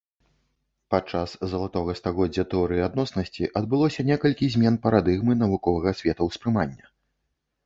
Падчас залатога стагоддзя тэорыі адноснасці адбылося некалькі змен парадыгмы навуковага светаўспрымання.